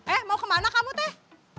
eh mau kemana kamu teh